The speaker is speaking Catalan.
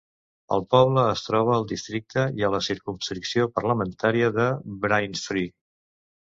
El poble es troba al districte i a la circumscripció parlamentària de Braintree.